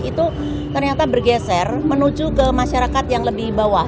itu ternyata bergeser menuju ke masyarakat yang lebih bawah